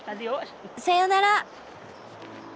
さよなら。